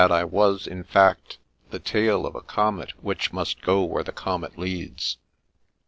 I was, in fact, the tail of a comet which must go where the comet leads.